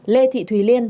lê thị thùy liên